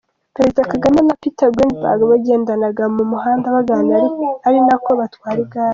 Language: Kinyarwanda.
Perezida Kagame na Peter Greenberg bagendaga mu muhanda baganira ari nako batwara igare.